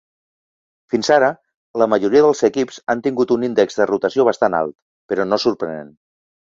Fins ara, la majoria dels equips han tingut un índex de rotació bastant alt, però no és sorprenent.